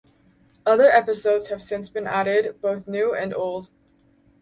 Other episodes have since been added, both new and old.